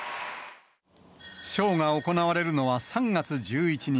ショーが行われるのは３月１１日。